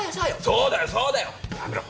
そうだよそうだよ！